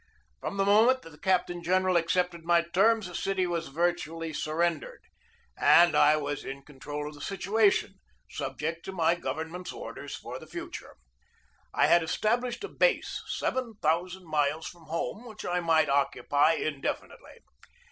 From the mo ment that the captain general accepted my terms the city was virtually surrendered, and I was in con trol of the situation, subject to my government's orders for the future. I had established a base seven thousand miles from home which I might occupy in definitely.